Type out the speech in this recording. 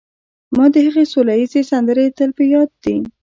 ما د هغې سوله ییزې سندرې تل په یاد دي